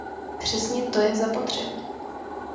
Přesně to je zapotřebí.